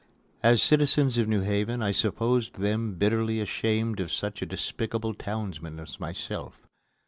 As citizens of New Haven, I supposed them bitterly ashamed of such a despicable townsman as myself.